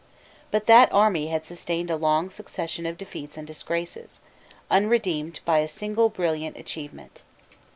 But that army had sustained a long succession of defeats and disgraces, unredeemed by a single brilliant achievement.